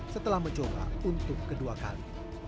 setelah mencoba untuk kedua kali